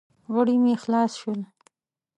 غړي مې خلاص شول.